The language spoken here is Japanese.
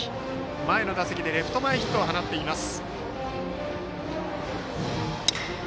前の打席でレフト前ヒットを放っています。